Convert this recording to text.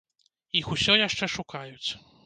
Іх усё яшчэ шукаюць.